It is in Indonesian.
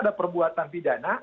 ada perbuatan pidana